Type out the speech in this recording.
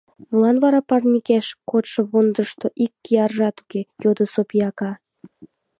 — Молан вара парникеш кодшо вондышто ик кияржат уке? — йодо Сопий ака.